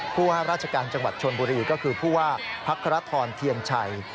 เพราะว่าราชการจังหวัดชนบุรีก็คือผู้ว่าพระครทรทียันไชย